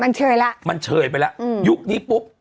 มันเชยแล้วมันเชยไปแล้วยุคนี้ปุ๊บ